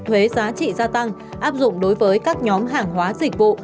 nhiều nhóm hàng hóa dịch vụ